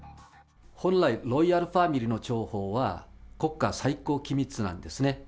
本来、ロイヤルファミリーの情報は国家最高機密なんですね。